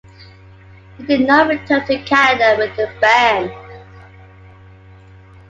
He did not return to Canada with the band.